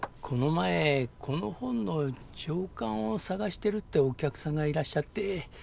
この前この本の上巻を探してるってお客さんがいらっしゃって。